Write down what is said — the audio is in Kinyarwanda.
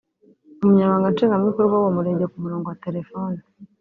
Umunyamabanga Nshingwabikorwa w’uwo murenge ku murongo wa telefone